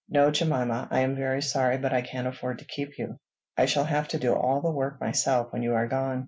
"No, Jemima. I am very sorry, but I can't afford to keep you. I shall have to do all the work myself when you are gone."